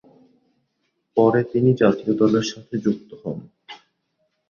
পরে তিনি জাতীয় দলের সাথে যুক্ত হন।